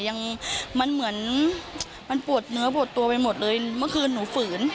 ยังมันเหมือนมันปวดเนื้อปวดตัวไปหมดเลยเมื่อคืนหนูฝืน